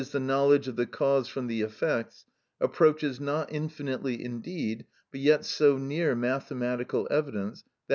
_, the knowledge of the cause from the effects, approaches, not infinitely indeed, but yet so near mathematical evidence, _i.